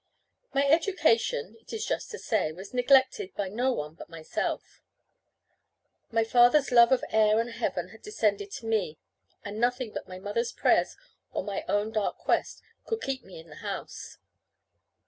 My education, it is just to say, was neglected by no one but myself. My father's love of air and heaven had descended to me, and nothing but my mother's prayers or my own dark quest could keep me in the house.